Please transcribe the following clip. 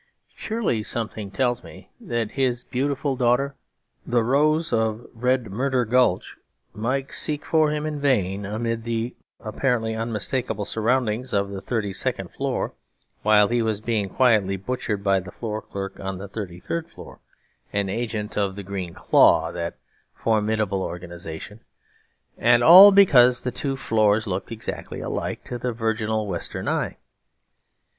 Surely something tells me that his beautiful daughter, the Rose of Red Murder Gulch, might seek for him in vain amid the apparently unmistakable surroundings of the thirty second floor, while he was being quietly butchered by the floor clerk on the thirty third floor, an agent of the Green Claw (that formidable organisation); and all because the two floors looked exactly alike to the virginal Western eye.